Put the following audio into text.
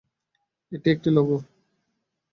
এটা একটি লোগো।